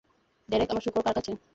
Derek, আমার শূকর কার কাছে?